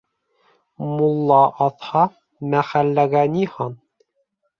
Мулла аҙһа, мәхәлләгә ни һан?